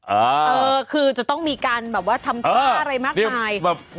เออคือจะต้องมีการแบบว่าทำท่าอะไรมากมาย